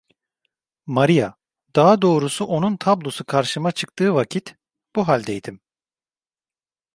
Maria, daha doğrusu onun tablosu karşıma çıktığı vakit, bu haldeydim.